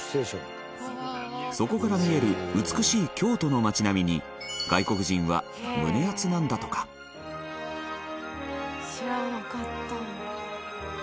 そこから見える美しい京都の街並みに外国人は胸アツなんだとか本仮屋：知らなかった。